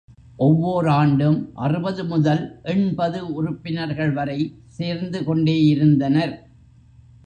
ஒவ்வோர் ஆண்டும் அறுபது முதல் எண்பது உறுப்பினர்கள் வரை சேர்ந்துகொண்டே யிருந்தனர்.